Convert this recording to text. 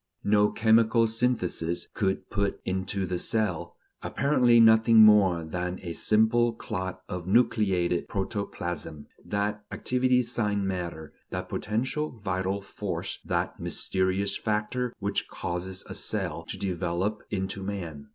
No chemical synthesis could put into the cell, apparently nothing more than a simple clot of nucleated protoplasm, that activity sine matter, that potential vital force, that mysterious factor which causes a cell to develop into man.